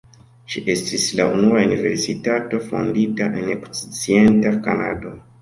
Ĝi estis la unua universitato fondita en okcidenta Kanado.